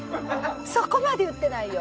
そこまで言ってないよ。